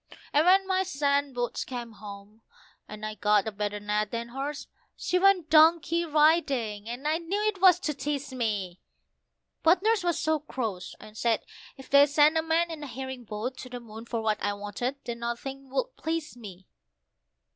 And when my sand boots came home, and I'd got a better net than hers, she went donkey riding, and I knew it was to tease me, But Nurse was so cross, and said if they sent a man in a herring boat to the moon for what I wanted that nothing would please me.